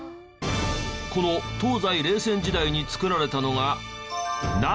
この東西冷戦時代に作られたのがＮＡＴＯ。